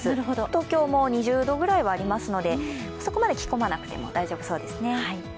東京も２０度くらいはありますので、そこまで着込まなくても大丈夫そうですね。